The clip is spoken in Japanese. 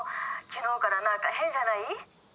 昨日からなんか変じゃない？